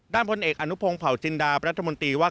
ด้านพลเอกอนุพงธ์เผาจินดาประธรรมตีว่า